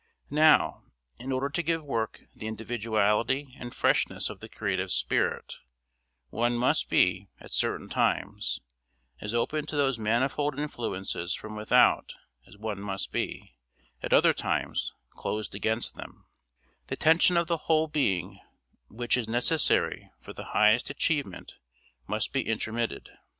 Now, in order to give work the individuality and freshness of the creative spirit, one must be, at certain times, as open to these manifold influences from without as one must be, at other times, closed against them; the tension of the whole being which is necessary for the highest achievement must be intermitted.